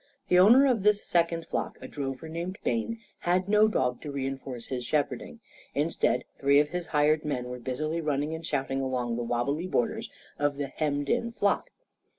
The owner of this second flock a drover named Bayne had no dog to reinforce his shepherding. Instead, three of his hired men were busily running and shouting along the wabbly borders of the hemmed in flock.